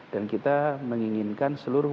dan kita menginginkan seluruh